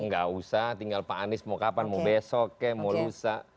nggak usah tinggal pak anies mau kapan mau besok kek mau lusa